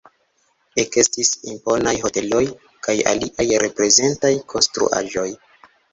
Ekestis imponaj hoteloj kaj aliaj reprezentaj konstruaĵoj.